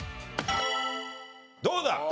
どうだ？